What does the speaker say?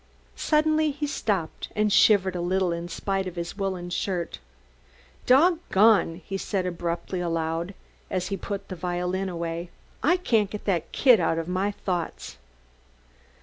Suddenly he stopped and shivered a little in spite of his woolen shirt. "Dog gone!" he said abruptly, aloud, as he put the violin away, "I can't get that kid out of my thoughts!"